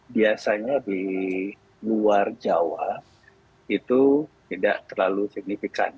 biasanya di luar jawa itu tidak terlalu signifikan